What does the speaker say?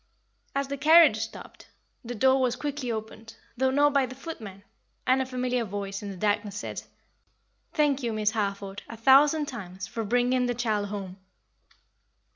As the carriage stopped, the door was quickly opened, though not by the footman, and a familiar voice in the darkness said, "Thank you, Miss Harford, a thousand times, for bringing the child home.